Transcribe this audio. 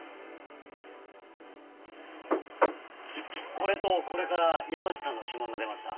これとこれから山路さんの指紋が出ました。